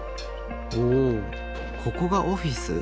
おおここがオフィス？